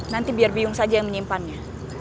nanti biar bingung saja yang menyimpannya